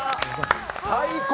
最高！